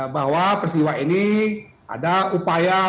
bahwa peristiwa ini ada upaya mencari penyelamat